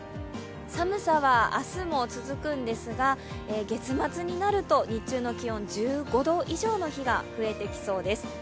寒さは明日も続くんですが、月末になると日中の気温１５度以上の日が増えてきそうです。